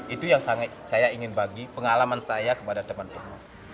itu yang saya ingin bagi pengalaman saya kepada teman teman